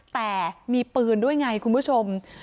แต่มีปืนด้วยไงคุณผู้ชม